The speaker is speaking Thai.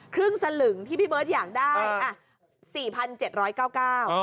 ครึ่งสักหนึ่งที่พี่เบิ้ดอยากได้อ่ะสี่พันเจ็ดร้อยเก้าเก้า